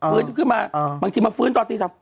ฟื้นขึ้นมาบางทีมาฟื้นตอนตีสัก